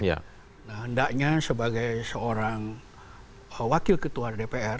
nah hendaknya sebagai seorang wakil ketua dpr